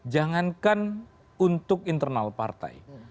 jangankan untuk internal partai